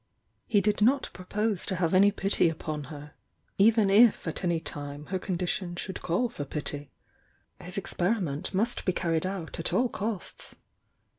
He did not pro pose to have any pity upon her, even if at any time her condition should call for pity. His experiment must be carried out at all costs.